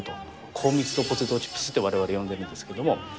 高密度ポテトチップスってわれわれ呼んでるんですけど。